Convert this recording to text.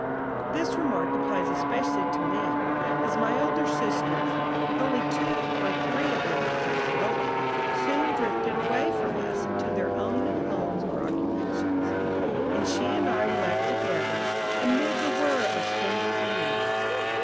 This remark applies especially to me, as my older sisters (only two or three of them had come to Lowell) soon drifted away from us into their own new homes or occupations, and she and I were left together amid the whir of spindles and wheels.